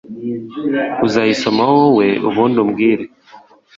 uzayisomaho woe ubundi umbwire